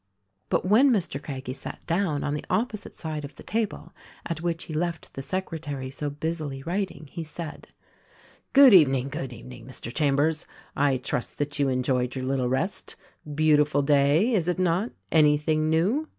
But when Mr. Craggie sat down on the opposite side of the table at which we left the secretary so busily writ ing, he said, "Good evening, good evening, Mr. Chambers. I trust that you enjoyed your little rest. Beautiful day, is it not? Anything new?"